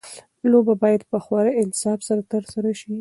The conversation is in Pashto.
لوبه باید په خورا انصاف سره ترسره شي.